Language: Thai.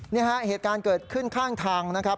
นี่ฮะเหตุการณ์เกิดขึ้นข้างทางนะครับ